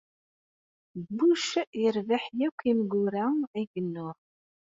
Bush yerbeḥ akk imgura ay yennuɣ.